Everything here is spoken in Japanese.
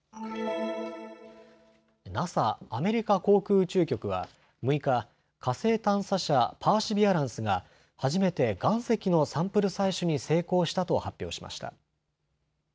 ＮＡＳＡ・アメリカ航空宇宙局は６日、火星探査車、パーシビアランスが初めて岩石のサンプル採取に成功したと発表しました。